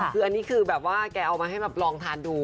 คืออันนี้คือแบบว่าแกเอามาให้แบบลองทานดู